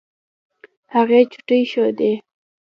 هغې چوټې ښودې.